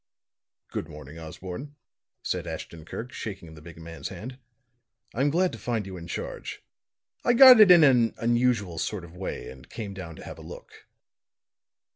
"Good morning, Osborne," said Ashton Kirk, shaking the big man's hand. "I'm glad to find you in charge. I got it in an unusual sort of way, and came down to have a look."